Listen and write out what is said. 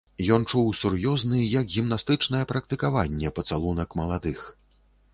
Ён чуў сур'ёзны, як гімнастычнае практыкаванне, пацалунак маладых.